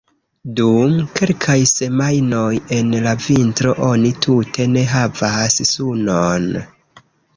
Dum kelkaj semajnoj en la vintro oni tute ne havas sunon.